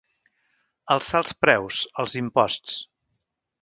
Alçar els preus, els imposts.